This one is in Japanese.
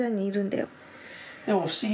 でも不思議。